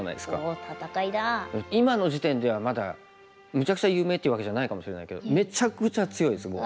今の時点ではまだめちゃくちゃ有名っていうわけじゃないかもしれないけどめちゃくちゃ強いですもう。